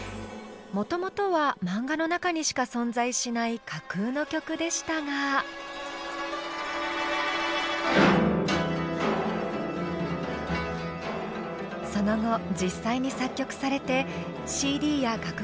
もともとはマンガの中にしか存在しない架空の曲でしたがその後実際に作曲されてＣＤや楽譜も作られました。